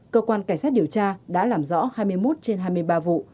cơ quan cảnh sát điều tra đã làm rõ hai mươi một trên hai mươi ba vụ